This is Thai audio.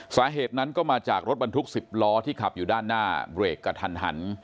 สาเหตุนั้นก็มาจากรถบรรทุก๑๐ล้อที่ขับอยู่ด้านหน้าเบรกกระทันหัน